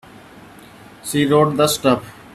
She wrote the stuff.